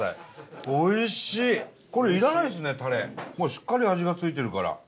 しっかり味がついてるから。